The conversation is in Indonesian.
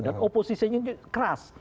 dan oposisinya ini keras